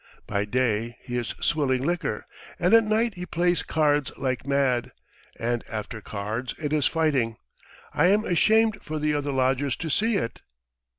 By day he is swilling liquor and at night he plays cards like mad, and after cards it is fighting. ... I am ashamed for the other lodgers to see it!"